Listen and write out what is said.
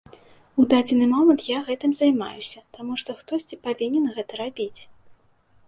У дадзены момант я гэтым займаюся, таму што хтосьці павінен гэта рабіць.